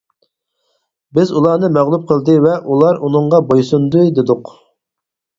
بىز: ئۇلارنى مەغلۇپ قىلدى ۋە ئۇلار ئۇنىڭغا بويسۇندى-دېدۇق.